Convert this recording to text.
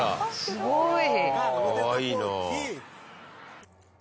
すごい。